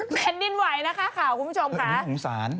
แม่นยินไหวนะคะค่ะคุณผู้ชมค่ะ